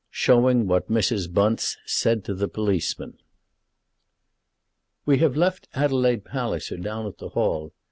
SHOWING WHAT MRS. BUNCE SAID TO THE POLICEMAN. "We have left Adelaide Palliser down at the Hall.